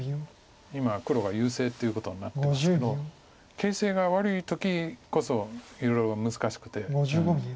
今黒が優勢っていうことになってますけど形勢が悪い時こそいろいろ難しくて。